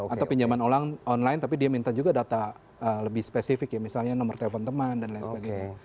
atau pinjaman online tapi dia minta juga data lebih spesifik ya misalnya nomor telepon teman dan lain sebagainya